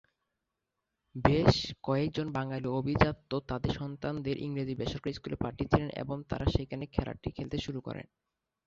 বেশ কয়েকজন বাঙালি আভিজাত্য তাদের সন্তানদের ইংরেজি বেসরকারী স্কুলে পাঠিয়েছিলেন এবং তারা সেখানে খেলাটি খেলতে শুরু করেন।